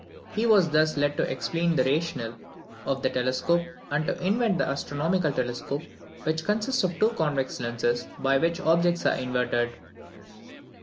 He was thus led to explain the rationale of the telescope, and to invent the astronomical telescope, which consists of two convex lenses, by which objects are seen inverted.